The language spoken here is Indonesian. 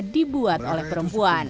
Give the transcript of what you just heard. dibuat oleh perempuan